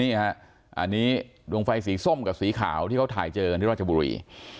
นี่ฮะอันนี้ดวงไฟสีส้มกับสีขาวที่เขาถ่ายเจอกันที่ราชบุรี